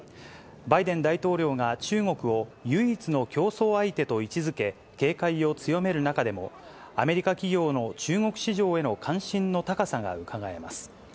バイデン大統領が中国を唯一の競争相手と位置づけ、警戒を強める中でも、相手企業の中国市場への関心の高さがうかがえます。